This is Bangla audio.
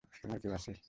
তোমার কেউ আছে?